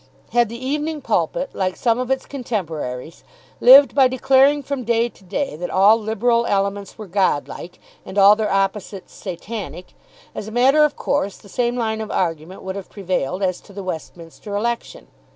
Had the "Evening Pulpit," like some of its contemporaries, lived by declaring from day to day that all Liberal elements were godlike, and all their opposites satanic, as a matter of course the same line of argument would have prevailed as to the Westminster election.